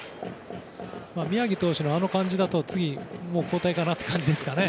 宮城投手の感じだと次もう交代かなという感じですね。